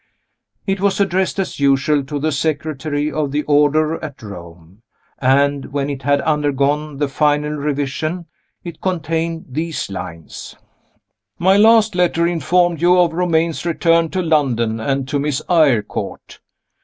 It was addressed as usual to the Secretary of the Order at Rome; and, when it had undergone the final revision, it contained these lines: My last letter informed you of Romayne's return to London and to Miss Eyrecourt.